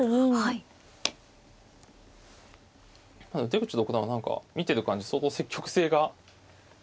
出口六段は何か見てる感じ相当積極性が。